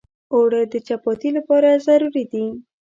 اوړه د چپاتي لپاره ضروري دي